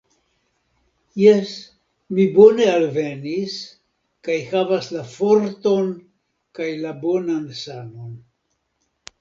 Jes, mi bone alvenis, kaj havas la forton kaj la bonan sanon